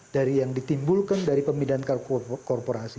dari yang ditimbulkan dari pemindahan korporasi